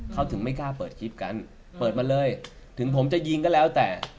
เขาถึงไม่กล้าเปิดคลิปกันเปิดมาเลยถึงผมจะยิงก็แล้วแต่